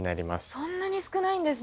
そんなに少ないんですね。